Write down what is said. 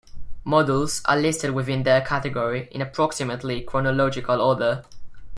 Models are listed within their category in approximately chronological order.